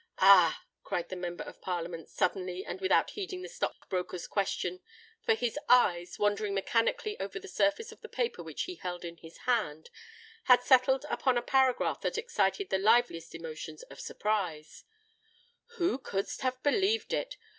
"Ah!" cried the Member of Parliament, suddenly, and without heeding the stock broker's question,—for his eyes, wandering mechanically over the surface of the paper which he held in his hand, had settled upon a paragraph that excited the liveliest emotions of surprise:—who could have believed it?